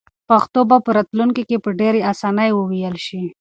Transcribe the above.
پښتو به په راتلونکي کې په ډېرې اسانۍ وویل شي.